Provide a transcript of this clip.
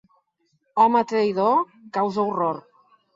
Home traïdor... causa horror.